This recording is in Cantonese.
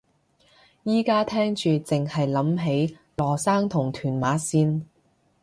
而家聽住剩係諗起羅生同屯馬綫